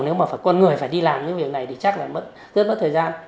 nếu mà con người phải đi làm những việc này thì chắc là rất mất thời gian